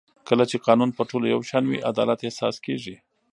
کله چې قانون پر ټولو یو شان وي عدالت احساس کېږي